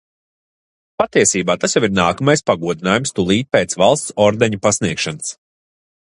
Patiesībā tas jau ir nākamais pagodinājums tūlīt pēc valsts ordeņa pasniegšanas.